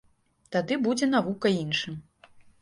Тады будзе навука іншым.